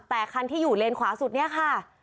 แต่คันที่อยู่เลนขวาสุดเนี่ยค่ะ